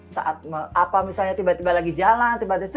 saat apa misalnya tiba tiba lagi jalan